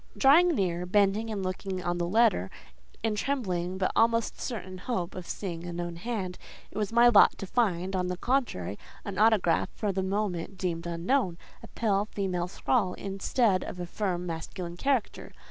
Drawing near, bending and looking on the letter, in trembling but almost certain hope of seeing a known hand, it was my lot to find, on the contrary, an autograph for the moment deemed unknown—a pale female scrawl, instead of a firm, masculine character.